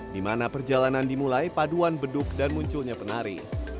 dimana perjalanan dimulai paduan beduk dan munculnya penari